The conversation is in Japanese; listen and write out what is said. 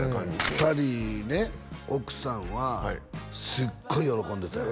２人ね奥さんはすっごい喜んでたよ